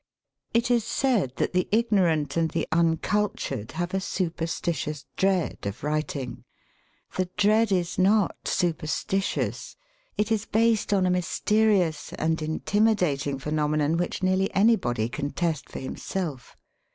It is said that the ignorant and the uncultured have a superstitious dread of writing. The dread is not superstitious ; it is based on a mysterious and intimidating phenom enon which nearly anybody can test for himself.